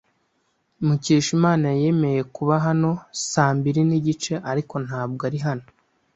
Mukeshimana yemeye kuba hano saa mbiri nigice, ariko ntabwo ari hano.